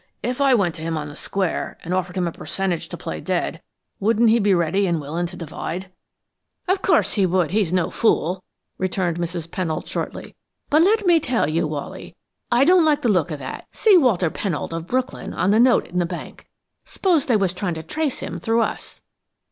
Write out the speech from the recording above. If I went to him on the square, and offered him a percentage to play dead, wouldn't he be ready and willin' to divide?" "Of course he would; he's no fool," returned Mrs. Pennold shortly. "But let me tell you, Wally, I don't like the look of that 'See Walter Pennold of Brooklyn,' on the note in the bank. S'pose they was trying to trace him through us?"